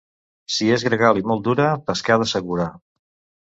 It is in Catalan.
Si és gregal i molt dura, pescada segura.